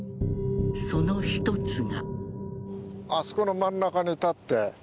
その一つが。